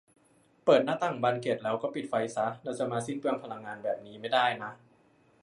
เปิดหน้าต่างบานเกล็ดแล้วก็ปิดไฟซะ เราจะมาสิ้นเปลืองพลังงานแบบนี้ไม่ได้นะ